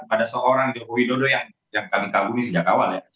ada seorang jokowi dodo yang kami kaguhi sejak awal ya